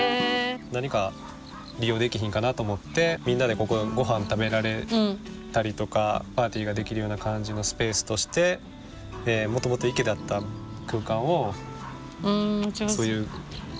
何か利用できへんかなと思ってみんなでここで御飯食べられたりとかパーティーができるような感じのスペースとしてもともと池だった空間をそういうテーブル置いて。